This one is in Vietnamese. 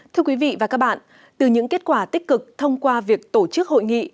thưa quý vị và các bạn từ những kết quả tích cực thông qua việc tổ chức hội nghị